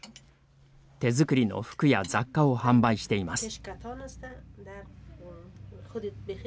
手作りの服や雑貨を販売しています。